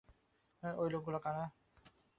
ওই লোকগুলো কারা?